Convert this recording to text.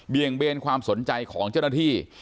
เบนความสนใจของเจ้าหน้าที่